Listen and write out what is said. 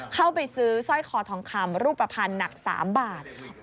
เข้าไปซื้อสร้อยคอทองคำรูปภัณฑ์หนัก๓บาท